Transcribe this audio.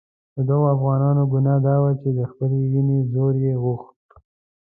د دغو افغانانو ګناه دا وه چې د خپلې وینې زور یې غوښت.